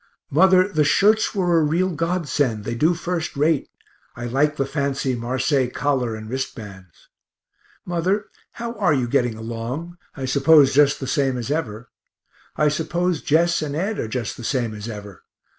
Mother, the shirts were a real godsend, they do first rate; I like the fancy marseilles collar and wrist bands. Mother, how are you getting along I suppose just the same as ever. I suppose Jess and Ed are just the same as ever.